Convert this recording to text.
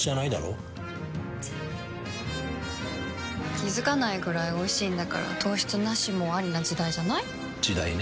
気付かないくらいおいしいんだから糖質ナシもアリな時代じゃない？時代ね。